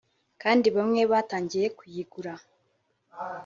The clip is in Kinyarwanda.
kandi bamwe batangiye kuyigura”